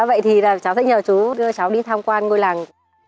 vậy thì cháu sẽ nhờ chú đưa cháu đi tham quan ngôi làng